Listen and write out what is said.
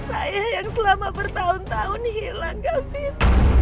saya yang selama bertahun tahun hilang covid